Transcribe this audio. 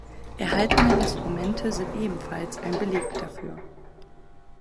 Erhaltene Instrumente sind ebenfalls ein Beleg dafür.